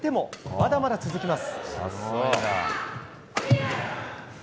まだまだ続きます。